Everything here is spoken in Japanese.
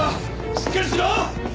しっかりしろ！